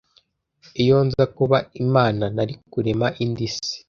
iyo nza kuba imana nari kurema indi isi